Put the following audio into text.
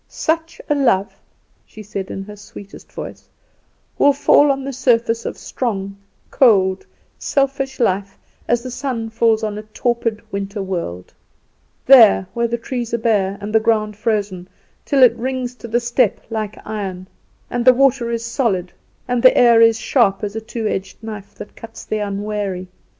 "Such a love," she said, in her sweetest voice, "will fall on the surface of strong, cold, selfish life as the sunlight falls on a torpid winter world; there, where the trees are bare, and the ground frozen, till it rings to the step like iron, and the water is solid, and the air is sharp as a two edged knife that cuts the unwary.